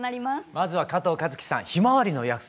まずは加藤和樹さん「ひまわりの約束」。